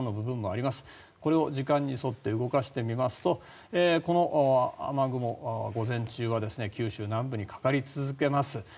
これを時間に沿って動かしていきますとこの雨雲、午前中は九州南部にかかり続けます。